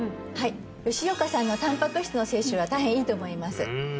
はい吉岡さんのたんぱく質の摂取は大変いいと思います